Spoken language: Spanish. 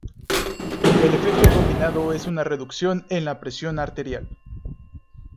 El efecto combinado es una reducción en la presión arterial.